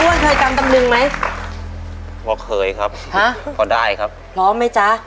น้าอ้วนเคยกรรมกันหนึ่งไหมพอเคยครับพอได้ครับพร้อมไหมจ๊ะ